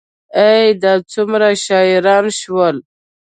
ای، دا څومره شاعران شول